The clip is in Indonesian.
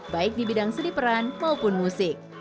baik di bidang seni peran maupun musik